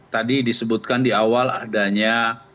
tadi disebutkan di awal adanya